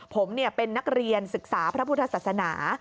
ผมเป็นนักเรียนศึกษาพระพุทธศาสนา